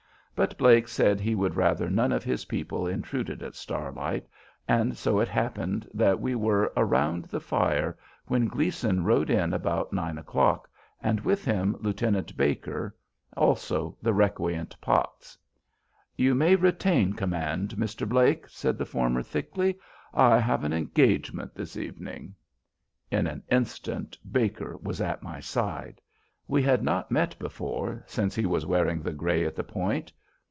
But Blake said he would rather none of his people intruded at "Starlight," and so it happened that we were around the fire when Gleason rode in about nine o'clock, and with him Lieutenant Baker, also the recreant Potts. "You may retain command, Mr. Blake," said the former, thickly. "I have an engagement this evening." In an instant Baker was at my side. We had not met before since he was wearing the gray at the Point.